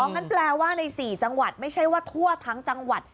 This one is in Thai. งั้นแปลว่าใน๔จังหวัดไม่ใช่ว่าทั่วทั้งจังหวัด